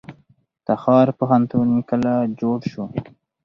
تخار پوهنتون کله جوړ شو؟